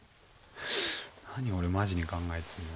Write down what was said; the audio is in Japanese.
何俺マジに考えてんだ。